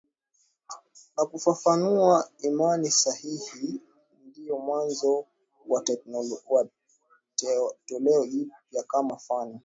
na kufafanua imani sahihi ndiyo mwanzo wa teolojia kama fani